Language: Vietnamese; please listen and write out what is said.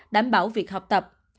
đảm bảo việc học tập